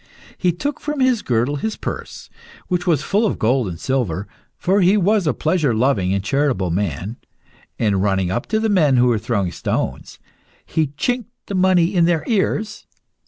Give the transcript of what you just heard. He took from his girdle his purse, which was full of gold and silver, for he was a pleasure loving and charitable man, and running up to the men who were throwing the stones, he chinked the money in their ears.